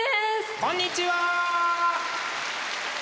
こんにちは！